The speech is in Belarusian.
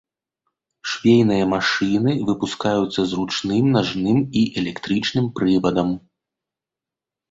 Швейныя машыны выпускаюцца з ручным, нажным і электрычным прывадам.